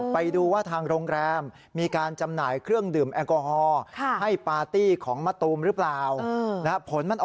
ไปดูใบเสร็จของปาร์ตี้วันนั้น